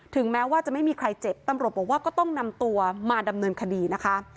แม้ว่าจะไม่มีใครเจ็บตำรวจบอกว่าก็ต้องนำตัวมาดำเนินคดีนะคะ